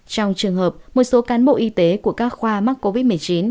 trong trường hợp một số cán bộ y tế của các khoa mắc covid một mươi chín